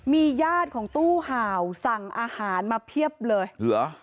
มีญาติของตู้ห่าวสั่งอาหารมาเพียบเลยเหรอ